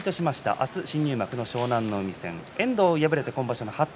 明日、新入幕の湘南乃海戦。